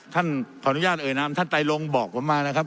ท่านขออนุญาตเอ่ยนามท่านไตรลงบอกผมมานะครับ